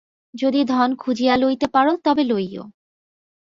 যদি ধন খুঁজিয়া লইতে পার তবে লইয়ো।